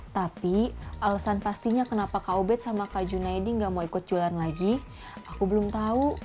tapi alasan pastinya kenapa kak ubed sama kak junaidi gak mau ikut jualan lagi aku belum tahu